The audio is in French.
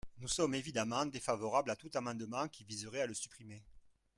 Nous sommes évidemment défavorables à tout amendement qui viserait à le supprimer.